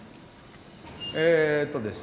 えっとですね